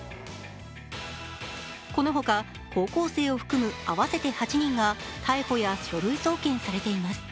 この他、高校生を含む合わせて８人が逮捕や書類送検されています。